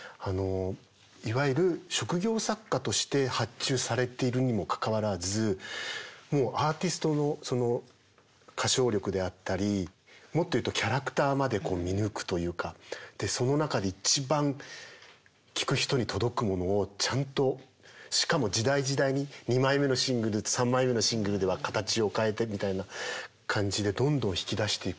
いわゆる職業作家として発注されているにもかかわらずもうアーティストの歌唱力であったりもっと言うとキャラクターまで見抜くというかでその中で一番聴く人に届くものをちゃんとしかも時代時代に２枚目のシングルと３枚目のシングルでは形を変えてみたいな感じでどんどん引き出していく